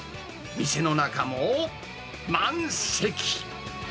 店の中も満席。